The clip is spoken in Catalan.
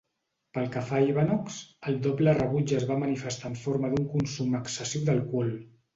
Pel que fa Ivanox, el doble rebuig es va manifestar en forma d'un consum excessiu d'alcohol.